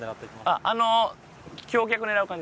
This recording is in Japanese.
あの橋脚狙う感じ？